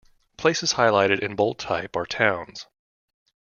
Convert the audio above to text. Places highlighted in bold type are towns.